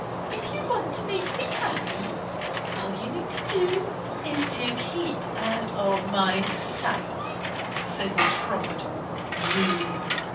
"If you want to make me happy all you need do is to keep out of my sight," said the trumpeter rudely.